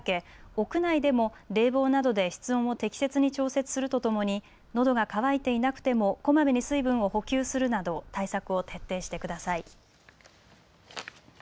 屋内でも冷房などで室温を適切に調節するとともにのどが渇いていなくてもこまめに水分を補給するなど対策を徹底してください。